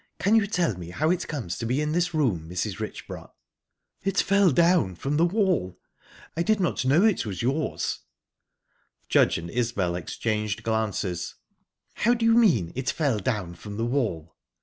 Can you tell me how it comes to be in this room, Mrs. Richborough?" "It fell down from the wall. I did not know it was yours." Judge and Isbel exchanged glances. "How do you mean 'it fell down from the wall'?"